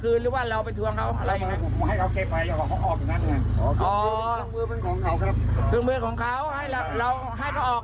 อ๋อเครื่องมือเป็นของเขาครับเครื่องมือของเขาให้เราให้เขาออก